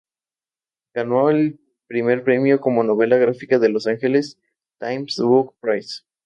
Ganó el primer premio como novela gráfica en Los Angeles Times Book Prize.